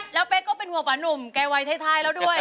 แล้วเป๊กก็เป็นห่วงป่านุ่มแกวัยท้ายแล้วด้วย